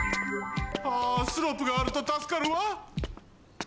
ああスロープがあるとたすかるわ！